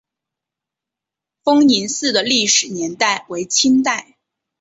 丰宁寺的历史年代为清代。